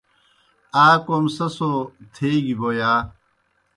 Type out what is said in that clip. آ کوْم سہ سو تھیگیْ بوْ یا؟